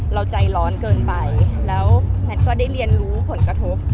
เราใจร้อนเกินไปแล้วแพทย์ก็ได้เรียนรู้ผลกระทบ